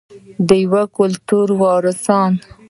د یو کلتور وارثان.